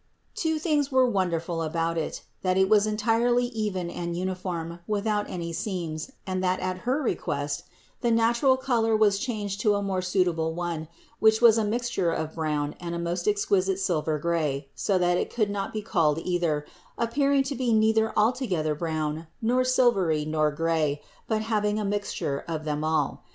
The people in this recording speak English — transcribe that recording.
Two things were wonderful about it : that it was entirely even and uniform, without any seams, and that, at her request, the natural color was changed to a more suitable one, which was a mixture of brown and a most exquisite silver gray, so that it could not be called either, appearing to be neither altogether brown, nor silvery, nor gray, but having a mixture of them all.